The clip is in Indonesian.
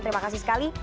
terima kasih sekali